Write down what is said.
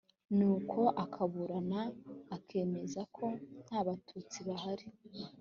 nuko akaburana akazemeza ko nta batutsi bahari.